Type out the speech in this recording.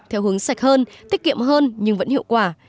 theo hướng sạch hơn tiết kiệm hơn nhưng vẫn hiệu quả